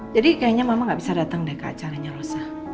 jadi kayaknya mama gak bisa datang deh ke acaranya rosa